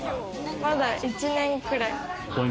まだ１年くらい。